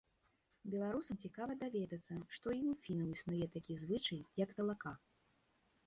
Беларусам цікава даведацца, што і ў фінаў існуе такі звычай, як талака.